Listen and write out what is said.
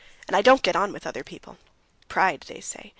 "And I don't get on with other people. Pride, they say.